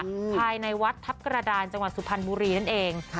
ภายในวัดทัพกระดานจังหวัดสุพรรณบุรีนั่นเองค่ะ